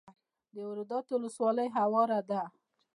د روداتو ولسوالۍ هواره ده